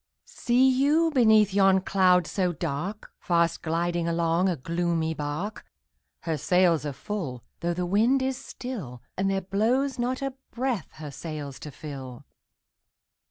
See you, beneath yon cloud so dark, Fast gliding along a gloomy bark? Her sails are full, though the wind is still, And there blows not a breath her sails to fill!